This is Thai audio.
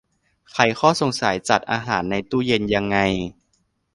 ไขข้อสงสัย จัดอาหารในตู้เย็นยังไง